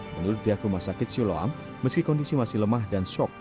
menurut pihak rumah sakit siloam meski kondisi masih lemah dan shock